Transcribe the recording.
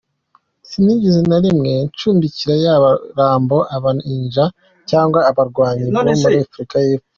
Sinigeze na rimwe ncumbikira yaba Rambo, abaninja cyangwa abarwanyi bo muri Afurika y’Epfo.